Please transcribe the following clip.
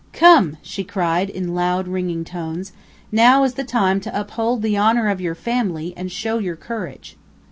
"Come!" she cried, in loud, ringing tones, "now is the time to uphold the honor of your family, and show your courage!"